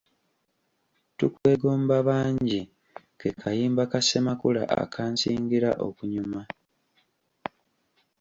Tukwegomba bangi ke kayimba ka Ssemakula akansingira okunyuma.